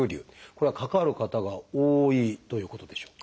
これはかかる方が多いということでしょうか？